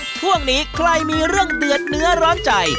ช่วงนี้ใครมีเรื่องเดือดเนื้อร้อนใจ